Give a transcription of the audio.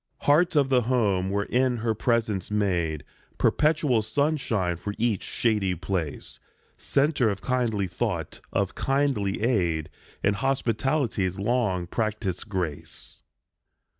Heart of the home wherein her presence made Perpetual sunshine for each shady place, Centre of kindly thought, of kindly aid, And hospitality's long practised grace.